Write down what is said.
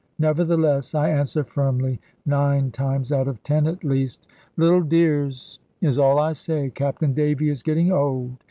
Nevertheless I answer firmly, nine times out of ten at least "Little dears," is all I say, "Captain Davy is getting old.